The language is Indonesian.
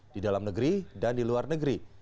di dalam negeri dan di luar negeri